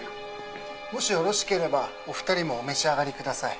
・もしよろしければお二人もお召し上がりください。